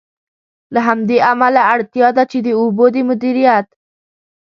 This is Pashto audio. له همدې امله، اړتیا ده چې د اوبو د مدیریت.